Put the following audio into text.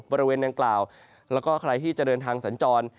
บริเวณดังกล่าวแล้วก็ใครที่จะเดินทางสัญจร